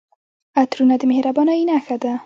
عطرونه د مهربانۍ نښه ده.